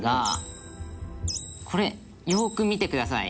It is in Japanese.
これよく見てください。